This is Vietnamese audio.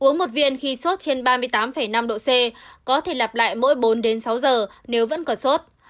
uống một viên khi sốt trên ba mươi tám năm độ c có thể lặp lại mỗi bốn đến sáu giờ nếu vẫn còn sốt